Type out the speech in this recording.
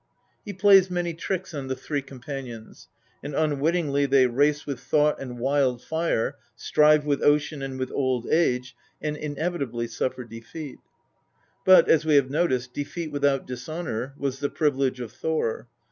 He plays many tricks on the three companions, and unwittingly they race with thought and wild fire, strive with ocean and with old age, and inevitably suffer defeat ; but, as we have noticed, defeat without dis . honour was the privilege of Thor.